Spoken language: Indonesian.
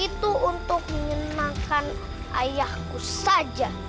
itu untuk menyenangkan ayahku saja